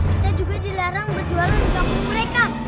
kita juga dilarang berjualan untuk mereka